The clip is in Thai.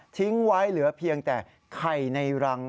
ทิ้งไว้เหลือเพียงแต่ไข่ในรัง